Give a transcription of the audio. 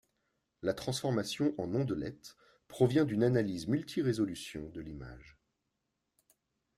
La transformation en ondelettes provient d'une analyse multirésolution de l'image.